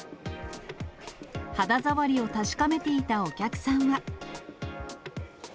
肌触りを確かめていたお客さんは。